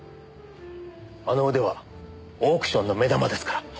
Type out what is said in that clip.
あの腕はオークションの目玉ですから。